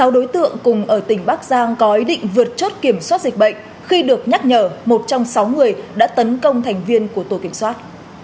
sáu đối tượng cùng ở tỉnh bắc giang có ý định vượt chốt kiểm soát dịch bệnh khi được nhắc nhở một trong sáu người đã tấn công thành viên của tổ kiểm soát